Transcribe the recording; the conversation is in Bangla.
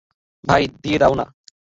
ভাই, দিয়ে দাও না।